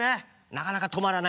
なかなか止まらないね。